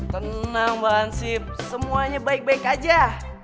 tenang mbak hansip semuanya baik baik aja